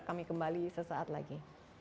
kami kembali sesaat lagi